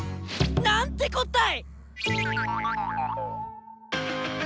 なんてこったい！